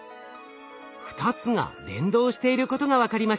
２つが連動していることが分かりました。